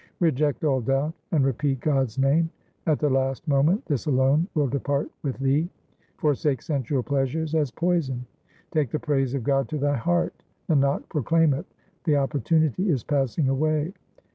Reject all doubt and repeat God's name ; at the last moment this alone will depart with thee. Forsake sensual pleasures as poison ; take the praise of God to thy heart ; Nanak proclaimeth, the opportunity is passing away.